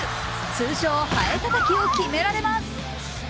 通称ハエたたきを決められます。